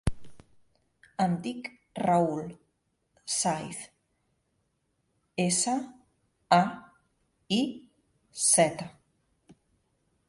Em dic Raül Saiz: essa, a, i, zeta.